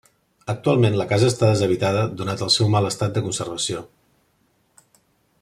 Actualment la casa està deshabitada donat el seu mal estat de conservació.